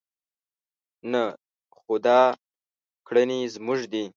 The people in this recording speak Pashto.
نه خو دا کړنې زموږ دي.